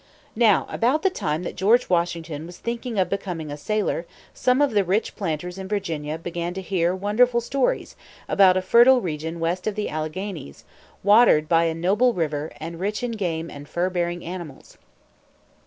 Now, about the time that George Washington was thinking of becoming a sailor, some of the rich planters in Virginia began to hear wonderful stories about a fertile region west of the Alleghanies, watered by a noble river, and rich in game and fur bearing animals.